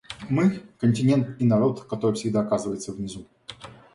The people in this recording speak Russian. Мы — континент и народ, который всегда оказывается внизу.